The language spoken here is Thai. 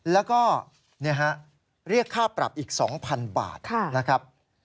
แล้วก็เรียกค่าปรับอีก๒๐๐๐บาทนะครับ